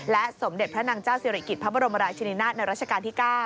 สมเด็จพระนางเจ้าศิริกิจพระบรมราชินินาศในราชการที่๙